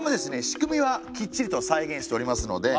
仕組みはきっちりと再現しておりますので。